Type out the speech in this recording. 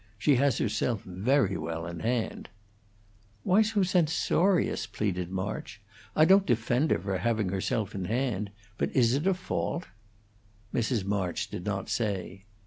She has herself very well in hand." "Why so censorious?" pleaded March. "I don't defend her for having herself in hand; but is it a fault?" Mrs. March did not say.